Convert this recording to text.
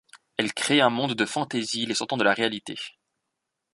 Elles créent un monde de fantaisie les sortant de la réalité.